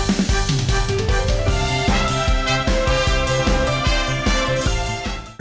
โปรดติดตามตอนต่อไป